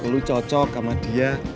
lu cocok sama dia